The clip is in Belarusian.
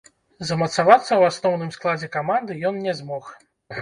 Замацавацца ў асноўным складзе каманды ён не змог.